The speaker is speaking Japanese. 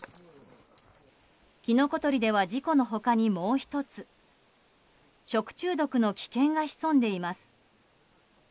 キノコ採りでは事故の他に、もう１つ食中毒の危険が潜んでいます。